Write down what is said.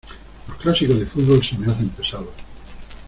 Los clásicos de fútbol se me hacen pesados.